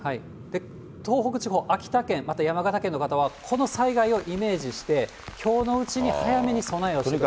東北地方、秋田県、また山形県の方はこの災害をイメージして、きょうのうちに早めに備えをしてください。